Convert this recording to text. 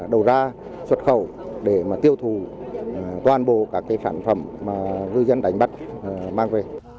đầu ra xuất khẩu để tiêu thù toàn bộ các sản phẩm mà ngư dân đánh bắt mang về